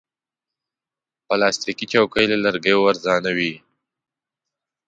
پلاستيکي چوکۍ له لرګیو ارزانه وي.